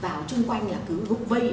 vào chung quanh là cứ gúc vây